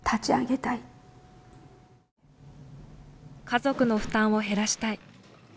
家族の負担を減らしたい。